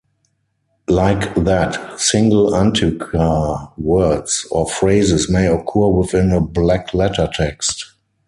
Like that, single antiqua words or phrases may occur within a black-letter text.